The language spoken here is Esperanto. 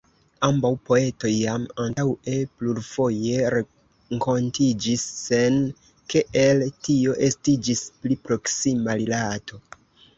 Ambaŭ poetoj jam antaŭe plurfoje renkontiĝis, sen ke el tio estiĝis pli proksima rilato.